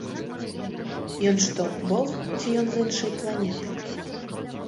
Ён што, бог, ці ён з іншай планеты?